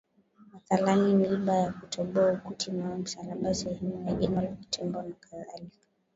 mathalani miiba kwa kutoboa ukuti mawe msalaba sehemu ya jino la tembo nakadhalika